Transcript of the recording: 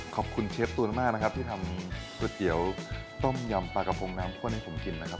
ขอบคุณเชฟตูนมากนะครับที่ทำก๋วยเตี๋ยวต้มยำปลากระพงน้ำข้นให้ผมกินนะครับ